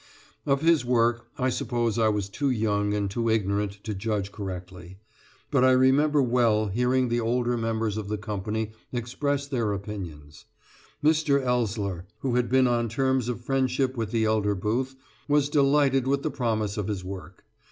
Of his work I suppose I was too young and too ignorant to judge correctly, but I remember well hearing the older members of the company express their opinions. Mr. Ellsler, who had been on terms of friendship with the elder Booth, was delighted with the promise of his work.